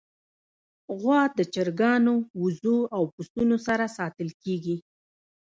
غوا د چرګانو، وزو، او پسونو سره ساتل کېږي.